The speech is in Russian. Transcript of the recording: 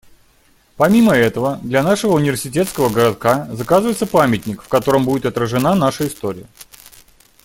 Помимо этого, для нашего университетского городка заказывается памятник, в котором будет отражена наша история.